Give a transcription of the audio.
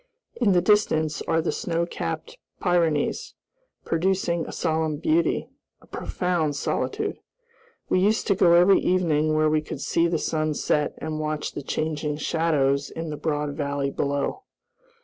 In the distance are the snow capped Pyrenees, producing a solemn beauty, a profound solitude. We used to go every evening where we could see the sun set and watch the changing shadows in the broad valley below.